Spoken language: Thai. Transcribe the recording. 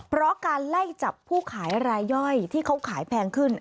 เพราะการไล่จับผู้ขายรายย่อยที่เขาขายแพงขึ้น